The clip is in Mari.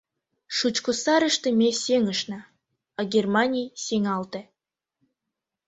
Шучко сарыште ме сеҥышна, а Германий сеҥалте.